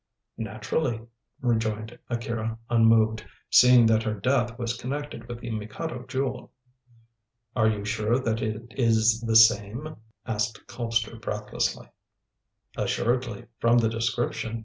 "Naturally," rejoined Akira, unmoved, "seeing that her death was connected with the Mikado Jewel." "Are you sure that it is the same?" asked Colpster breathlessly. "Assuredly, from the description.